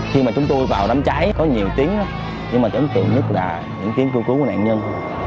khi mà chúng tôi vào đám cháy có nhiều tiếng đó nhưng mà tổng tiện nhất là những tiếng cứu cứu của nạn nhân